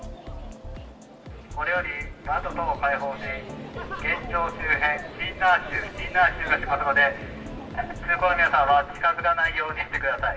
これより窓等を開放し、現場周辺、シンナー臭、シンナー臭がしますので、通行の皆様は近づかないようにしてください。